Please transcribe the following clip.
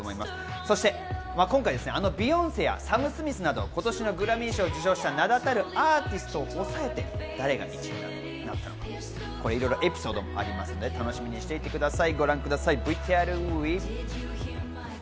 そして今回、あのビヨンセやサム・スミスなど今年のグラミー賞を受賞した名だたるアーティストを抑えて誰が１位になってるのか、いろいろエピソードもありますので楽しみにしていてください。